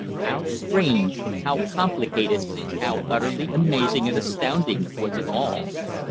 How strange, how complicated, how utterly amazing and astounding was it all.